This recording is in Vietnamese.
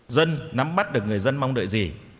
dân nắm bắt được người dân mong đợi gì